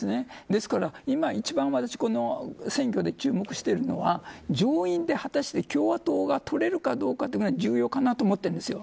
ですから今一番私が選挙で注目しているのは上院で果たして共和党がとれるかどうかが重要かなと思うんですよ。